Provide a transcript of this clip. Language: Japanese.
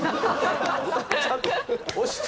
ちゃんと押して。